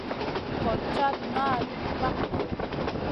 Goɗ cad naʼaɗ ɓag ŋolo.